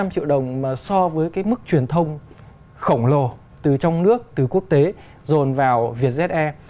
một mươi triệu đồng mà so với cái mức truyền thông khổng lồ từ trong nước từ quốc tế dồn vào vietjet air